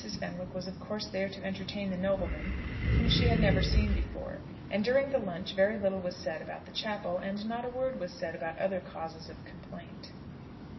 Fenwick was of course there to entertain the nobleman, whom she had never seen before, and during the lunch very little was said about the chapel, and not a word was said about other causes of complaint.